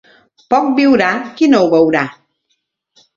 Poc viurà qui no ho veurà.